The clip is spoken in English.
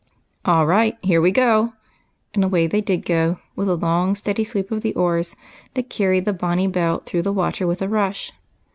" All right, here we go !" and away they did go with a long steady sweep of the oars that carried the " Bonnie Belle " through the water with a rush.